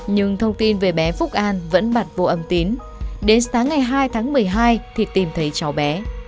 nhưng thông tin về bé phúc an vẫn bật vô âm tín đến sáng ngày hai tháng một mươi hai thì tìm thấy cháu bé